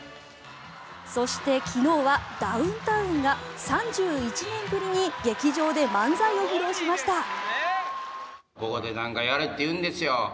そして昨日はダウンタウンが３１年ぶりに劇場で漫才を披露しました。